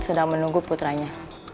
sedang menunggu putranya